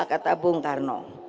kata bung karno